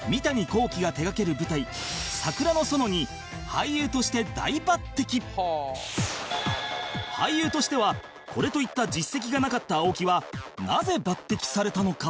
こうして青木は憧れの俳優としてはこれといった実績がなかった青木はなぜ抜擢されたのか？